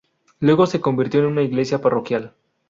Luego se convirtió en una iglesia parroquial.